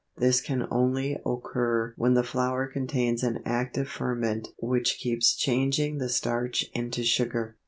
This can only occur when the flour contains an active ferment which keeps changing the starch into sugar.